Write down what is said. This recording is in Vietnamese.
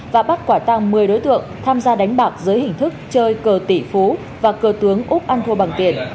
và bắt quả tăng một mươi đối tượng tham gia đánh bạc dưới hình thức chơi cờ tỷ phú và cờ tướng úc ăn thua bằng tiền